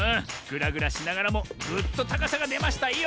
ぐらぐらしながらもぐっとたかさがでましたよ！